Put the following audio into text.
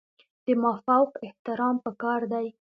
د مافوق احترام پکار دی